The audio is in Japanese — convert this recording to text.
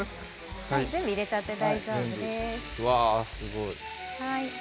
全部入れちゃって大丈夫です。